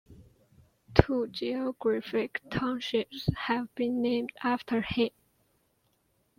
Two geographic townships have been named after him.